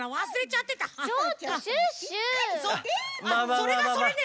それがそれね！